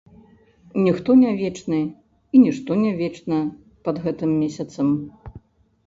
Ніхто не вечны і нішто не вечна пад гэтым месяцам.